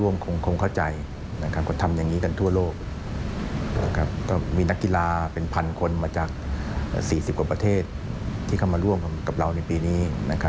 มาจาก๔๐กว่าประเทศที่เข้ามาร่วมกับเราในปีนี้